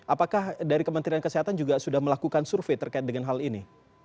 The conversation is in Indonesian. apakah dari kementerian kesehatan juga sudah melakukan survei terkait dengan hal ini